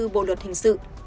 bộ luật hình sự